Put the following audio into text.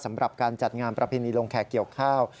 สำหรับการจัดงานประเพณีลงแขกเกี่ยวข้าว